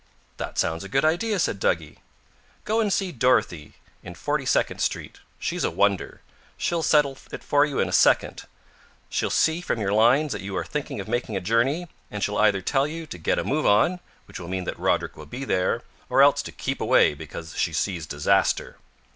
"That sounds a good idea," said Duggie. "Go and see Dorothea in Forty second Street. She's a wonder. She'll settle it for you in a second. She'll see from your lines that you are thinking of making a journey, and she'll either tell you to get a move on, which will mean that Roderick will be there, or else to keep away because she sees disaster."